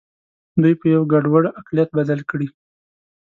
دوی په یوه ګډوډ اقلیت بدل کړي.